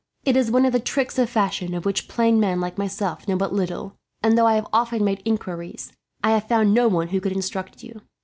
It is one of the tricks of fashion, of which plain men like myself know but little; and though I have often made inquiries, I have found no one who could instruct you.